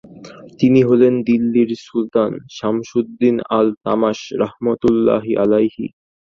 তিনি হলেন দিল্লির সুলতান শামসুদ্দিন আল-তামাশ রাহমাতুল্লাহি আলাইহি।